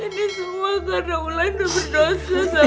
ini semua karena bulan berdosa sama ibu